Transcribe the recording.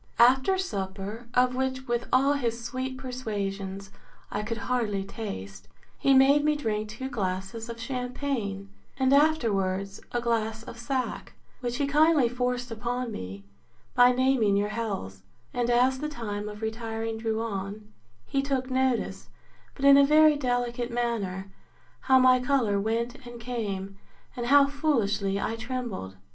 After supper, of which, with all his sweet persuasions, I could hardly taste, he made me drink two glasses of champaign, and, afterwards, a glass of sack; which he kindly forced upon me, by naming your healths: and as the time of retiring drew on, he took notice, but in a very delicate manner, how my colour went and came, and how foolishly I trembled.